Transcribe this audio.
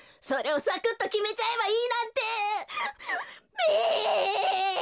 それをサクッときめちゃえばいいなんてべ！